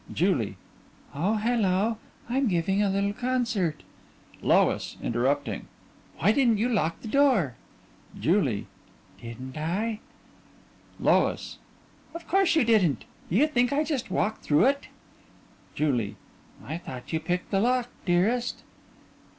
JULIE: Oh, hello. I'm giving a little concert LOIS: (Interrupting) Why didn't you lock the door? JULIE: Didn't I? LOIS: Of course you didn't. Do you think I just walked through it? JULIE: I thought you picked the lock, dearest.